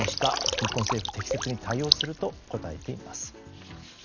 日本政府適切に対応すると答えています。